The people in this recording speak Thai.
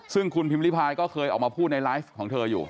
ซึ่งคุณพิมพิพายก็เคยออกมาพูดในไลฟ์ของเธออยู่